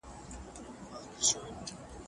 پوهه د ټولنې د رڼا سبب ده.